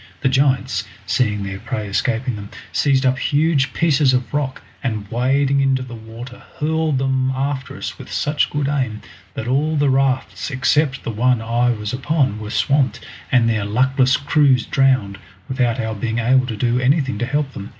The giants, seeing their prey escaping them, seized up huge pieces of rock, and wading into the water hurled them after us with such good aim that all the rafts except the one I was upon were swamped, and their luckless crews drowned, without our being able to do anything to help them.